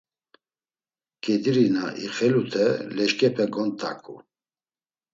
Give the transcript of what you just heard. Ǩediri na ixelute leşǩepe gont̆aǩu.